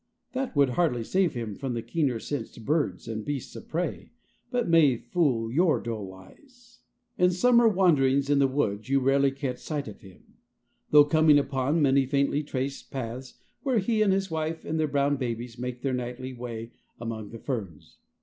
That would hardly save him from the keener sensed birds and beasts of prey, but may fool your dull eyes. In summer wanderings in the woods you rarely catch sight of him, though coming upon many faintly traced paths where he and his wife and their brown babies make their nightly way among the ferns.